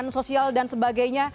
leporan sosial dan sebagainya